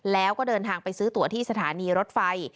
แล้วก็เดินทางไปซื้อตัวที่สถานีรถไฟ